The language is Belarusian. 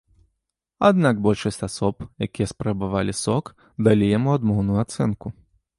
Аднак большасць асоб, якія спрабавалі сок, далі яму адмоўную ацэнку.